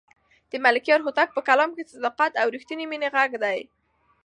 د ملکیار هوتک په کلام کې د صداقت او رښتونې مینې غږ دی.